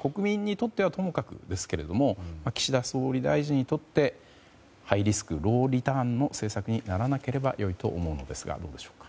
国民にとってはともかくですけれども岸田総理大臣にとってハイリスクローリターンの政策にならなければよいと思うのですがどうでしょうか。